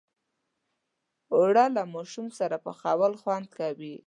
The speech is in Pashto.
اوړه له ماشوم سره پخول خوند کوي